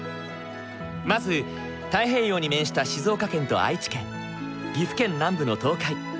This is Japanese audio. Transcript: まず太平洋に面した静岡県と愛知県岐阜県南部の東海。